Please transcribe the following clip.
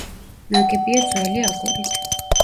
ნაგებია ძველი აგურით.